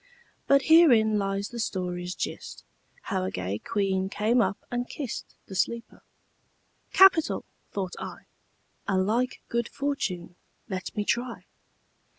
But herein lies the story's gist, How a gay queen came up and kist The sleeper. 'Capital!' thought I. 'A like good fortune let me try.'